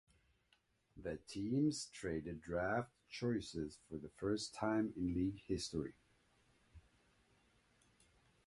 The teams traded draft choices for the first time in league history.